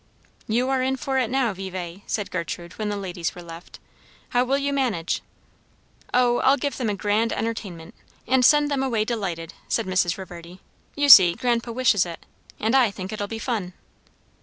"You are in for it now, Vevay," said Gertrude, when the ladies were left. "How will you manage?" "O, I'll give them a grand entertainment and send them away delighted," said Mrs. Reverdy. "You see, grandpa wishes it; and I think it'll be fun."